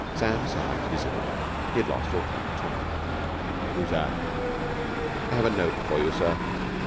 Sam sat up dizzily. He had lost all count of time. "Who's that?" "I have a note for you, sir."